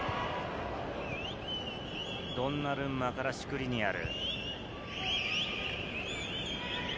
ドンナルンマからシュクリニアル。